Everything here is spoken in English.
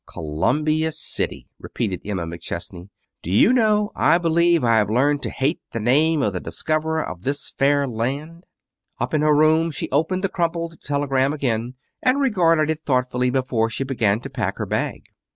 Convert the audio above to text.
"Columbia City!" repeated Emma McChesney. "Do you know, I believe I've learned to hate the name of the discoverer of this fair land." Up in her room she opened the crumpled telegram again, and regarded it thoughtfully before she began to pack her bag.